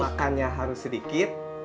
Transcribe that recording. makannya harus sedikit